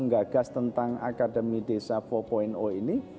dari akademi desa empat ini